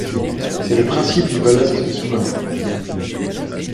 C'est le principe du ballast des sous-marins.